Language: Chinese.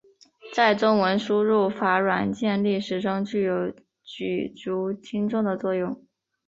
在中文输入法软件历史中具有举足轻重的作用。